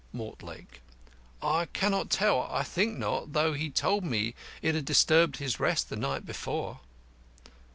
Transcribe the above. MORTLAKE: I cannot tell. I think not, though he told me it had disturbed his rest the night before.